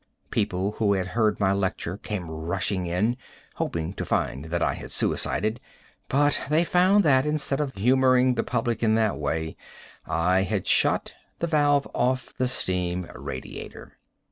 People who had heard my lecture came rushing in, hoping to find that I had suicided, but they found that, instead of humoring the public in that way, I had shot the valve off the steam radiator.